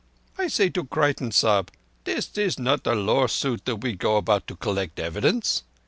I say to Creighton Sahib, 'This is not a lawsuit, that we go about to collect evidence.